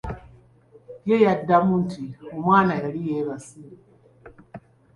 Ye yamuddamu nti omwana yali yeebase.